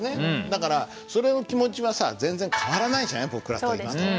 だからそれの気持ちはさ全然変わらないじゃない僕らと今と。